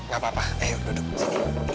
gapapa ayo duduk disini